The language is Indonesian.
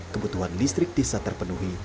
kebutuhan listrik bisa terpenuhi